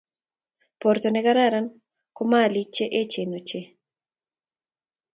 Borto ne kararan ko maliik che echeen ochei.